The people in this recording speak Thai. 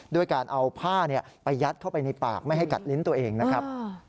ด้วยการเอาผ้าไปยัดเข้าไปในปากไม่ให้กัดลิ้นตัวเองนะครับ